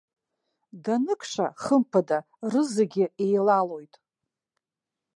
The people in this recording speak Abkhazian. Даныкша, хымԥада, рызегьы еилалоит.